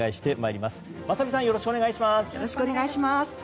よろしくお願いします。